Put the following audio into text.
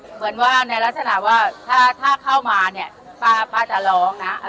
เหมือนว่าในลักษณะว่าถ้าเข้ามาเนี่ยป้าจะร้องนะ